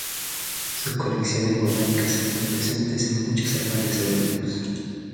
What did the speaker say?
Sus colecciones botánicas están presentes en muchos herbarios europeos.